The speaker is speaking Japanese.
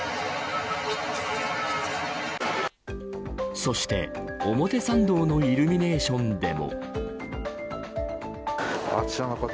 そして表参道のイルミネーションでも。